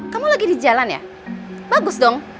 kamu lagi di jalan ya bagus dong